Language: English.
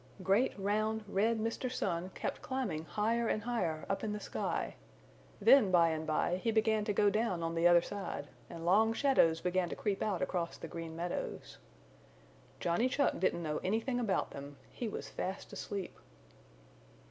Great round, red Mr. Sun kept climbing higher and higher up in the sky, then by and by he began to go down on the other side, and long shadows began to creep out across the Green Meadows. Johnny Chuck didn't know anything about them: he was fast asleep.